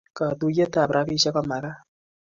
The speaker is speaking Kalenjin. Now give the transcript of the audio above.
Katuiyet ab ropishek komakat